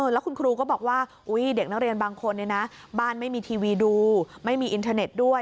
แล้วคุณครูก็บอกว่าเด็กนักเรียนบางคนบ้านไม่มีทีวีดูไม่มีอินเทอร์เน็ตด้วย